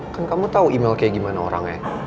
kan kamu tahu email kayak gimana orangnya